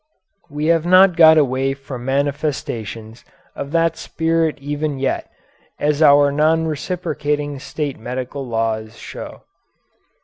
We have not got away from manifestations of that spirit even yet, as our non reciprocating state medical laws show.